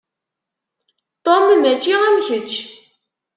Tom mačči am kečč.